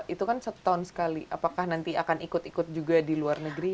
itu kan setahun sekali apakah nanti akan ikut ikut juga di luar negeri